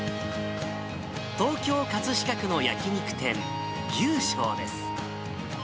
東京・葛飾区の焼き肉店、牛将です。